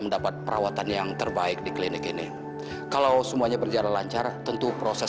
mendapat perawatan yang terbaik di klinik ini kalau semuanya berjalan lancar tentu proses